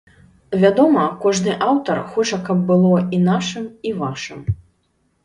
Вядома, кожны аўтар хоча каб было і нашым і вашым.